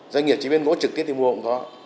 doanh nghiệp chế biến gỗ trực tiếp thì mua cũng có